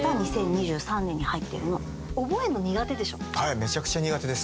めちゃくちゃ苦手です。